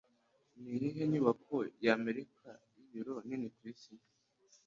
Niyihe nyubako y'Abanyamerika y'ibiro nini kwisi?